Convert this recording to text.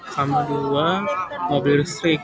sama dua mobil listrik